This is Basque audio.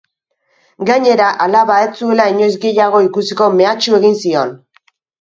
Gainera, alaba ez zuela inoiz gehiago ikusiko mehatxu egin zion.